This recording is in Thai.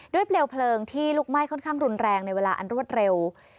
เปลวเพลิงที่ลุกไหม้ค่อนข้างรุนแรงในเวลาอันรวดเร็ว